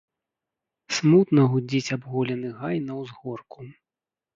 Смутна гудзіць абголены гай на ўзгорку.